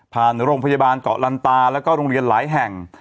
โรงพยาบาลเกาะลันตาแล้วก็โรงเรียนหลายแห่ง